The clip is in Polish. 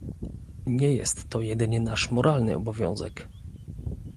Nie jest to jedynie nasz moralny obowiązek